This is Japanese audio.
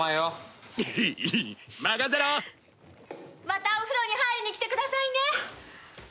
またお風呂に入りに来てくださいね！